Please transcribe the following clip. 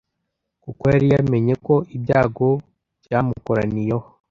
kuko yari yamenye ko ibyago byamukoraniyeho